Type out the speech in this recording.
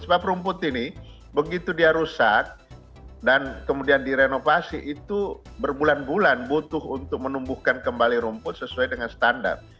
sebab rumput ini begitu dia rusak dan kemudian direnovasi itu berbulan bulan butuh untuk menumbuhkan kembali rumput sesuai dengan standar